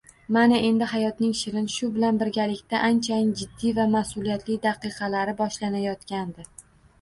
Mana endi hayotning shirin, shu bilan birgalikda anchayin jiddiy va mas`uliyatli daqiqalari boshlanayotgandi